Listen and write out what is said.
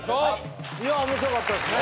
いやぁ面白かったですね。